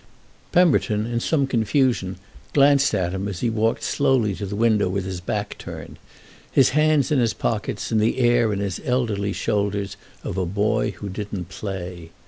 Pemberton, in some confusion, glanced at him as he walked slowly to the window with his back turned, his hands in his pockets and the air in his elderly shoulders of a boy who didn't play.